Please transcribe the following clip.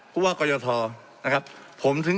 ในการที่จะระบายยาง